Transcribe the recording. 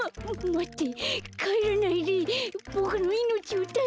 まって！